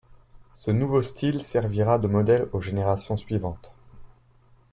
Ce nouveau style servira de modèle aux générations suivantes.